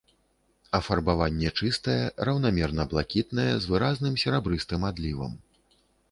Афарбаванне чыстае, раўнамерна-блакітнае, з выразным серабрыстым адлівам.